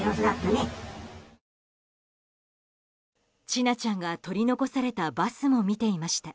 千奈ちゃんが取り残されたバスも見ていました。